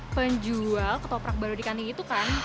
penjual ketoprak baru dikanti itu kan